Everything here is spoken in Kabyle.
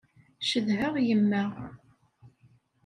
Cedheɣ yemma.